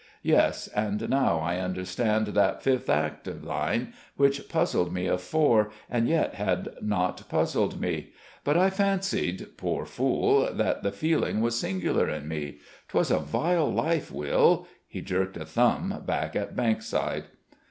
Yes, and now I understand that fifth act of thine, which puzzled me afore, and yet had not puzzled me; but I fancied poor fool! that the feeling was singular in me. 'Twas a vile life, Will." He jerked a thumb back at Bankside.